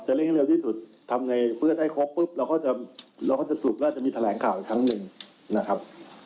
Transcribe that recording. เร่งให้เร็วที่สุดทำไงเพื่อให้ครบปุ๊บเราก็จะเราก็จะสรุปแล้วจะมีแถลงข่าวอีกครั้งหนึ่งนะครับ